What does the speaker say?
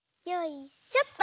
よいしょ。